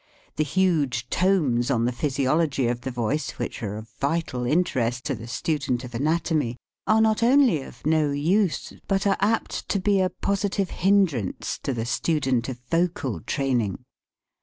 The huge tomes on the physiology of the voice which are of vital interest to the student of anatomy are not only of no use, but are apt to be a positive hindrance to the student of vocal training.